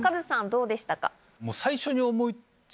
どうでしたか？